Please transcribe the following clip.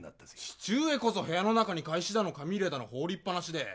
義父上こそ部屋の中に懐紙だの紙入れだのほうりっぱなしで。